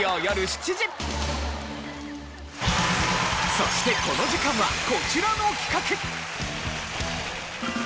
そしてこの時間はこちらの企画。